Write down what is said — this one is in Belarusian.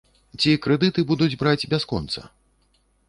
Ці крэдыты будуць браць бясконца?